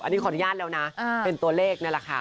อันนี้ขออนุญาตแล้วนะเป็นตัวเลขนั่นแหละค่ะ